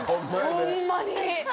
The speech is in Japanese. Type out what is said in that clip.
ホンマに！